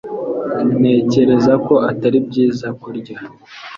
Ntekereza ko atari byiza kurya